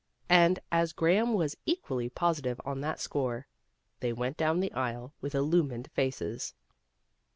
And as Graham was equally positive on that score, they went down the aisle with illumined faces.